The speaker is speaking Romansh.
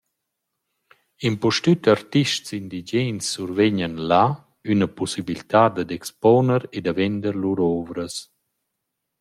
Impustüt artists indigens suvegnan là üna pussibiltà dad expuoner e vender lur ovras.